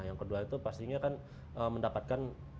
yang kedua itu pastinya kan mendapatkan